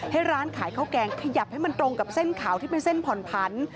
ให้ร้านขายข้าวแกงขยับให้มันตรงกับเส้นขาวที่เป็นเส้นผ่อนผัน